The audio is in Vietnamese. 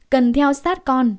cần theo sát con